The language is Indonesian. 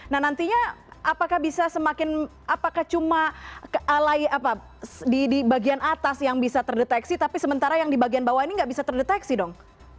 nah nantinya apakah bisa semakin apakah cuma di bagian atas yang bisa terdeteksi tapi sementara yang di bagian bawah ini nggak bisa terdeteksi dong